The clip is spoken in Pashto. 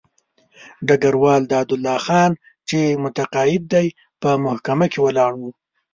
ډګروال دادالله خان چې متقاعد دی په محکمه کې ولاړ وو.